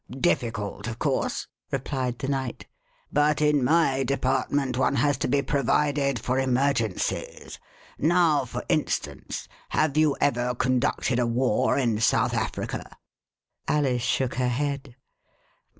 Difficult, of course," replied the Knight, but in my Department one has to be provided for emergencies. Now, for instance, have you ever conducted a war in South Africa }" Alice shook her head.